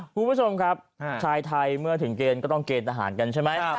คุณผู้ชมครับชายไทยเมื่อถึงเกณฑ์ก็ต้องเกณฑ์ทหารกันใช่ไหม